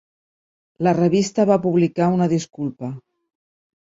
La revista va publicar una disculpa.